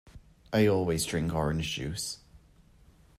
I always drink orange juice.